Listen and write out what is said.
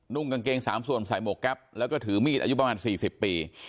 กางเกง๓ส่วนใส่หมวกแก๊ปแล้วก็ถือมีดอายุประมาณ๔๐ปี